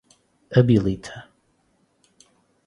habilita